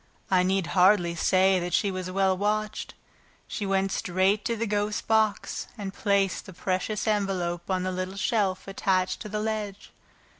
I need hardly say that she was well watched. She went straight to the ghost's box and placed the precious envelope on the little shelf attached to the ledge.